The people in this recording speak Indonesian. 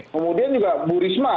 kemudian juga bu risma